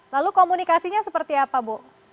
lalu komunikasinya seperti apa bu